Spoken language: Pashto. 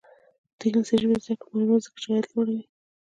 د انګلیسي ژبې زده کړه مهمه ده ځکه چې عاید لوړوي.